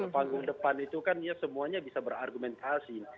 panggung depan itu kan semuanya bisa berargumentasi